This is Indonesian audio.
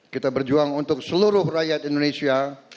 kita berjuang untuk seluruh rakyat indonesia